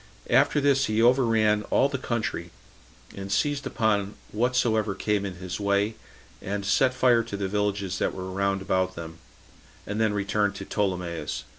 After this he overran all the country, and seized upon whatsoever came in his way, and set fire to the villages that were round about them, and then returned to Ptolemais.